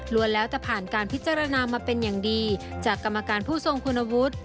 แล้วแต่ผ่านการพิจารณามาเป็นอย่างดีจากกรรมการผู้ทรงคุณวุฒิ